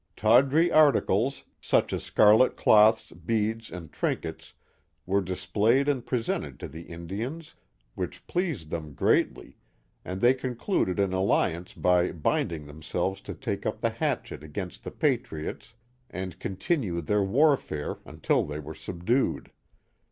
Tawdry articles, such as scarlet cloths, beads and trinkets were displayed and presented to the Indians, which pleased them greatly, and they concluded an alliance by binding themselves to take up the hatchet against the patriots and continue their warfare until they were subdued.